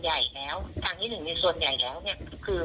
ส่วนใหญ่แล้วทางที่๑มีส่วนใหญ่แล้วคือ